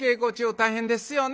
大変ですよね。